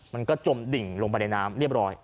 มันก็จมดิ่งลงไปในน้ำเรียบร้อย